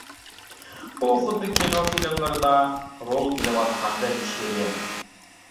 بۇ خۇددى كىنو فىلىملىرىدا رول ئېلىۋاتقاندەك ئىش ئىدى.